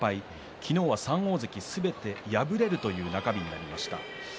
昨日は３大関すべて敗れるという中日になりました。